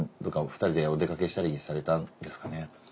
どこか２人でお出かけしたりされたんですかね？